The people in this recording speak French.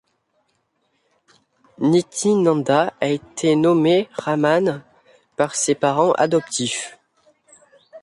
Nityananda a été nommé Raman par ses parents adoptifs.